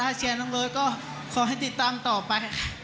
ถ้าเชียร์น้องเบิร์ตก็ขอให้ติดตามต่อไป